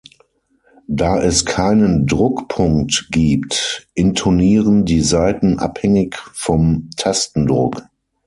Da es keinen Druckpunkt gibt, intonieren die Saiten abhängig vom Tastendruck.